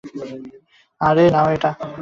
আর, নাও এটা।